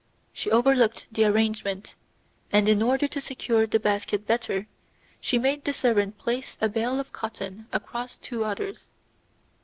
She overlooked the arrangement, and in order to secure the basket better, she made the servant place a bale of cotton across two others.